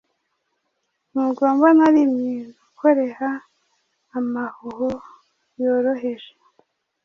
Ntugomba na rimwe gukoreha amahuho yoroheje,